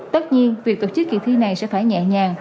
tất nhiên việc tổ chức kỳ thi này sẽ phải nhẹ nhàng